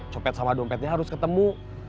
copet sama dompetnya harus ketemu